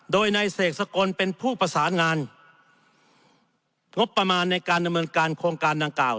โดยนายเสกสกลเป็นผู้ประสานงานงบประมาณในการดำเนินการโครงการดังกล่าว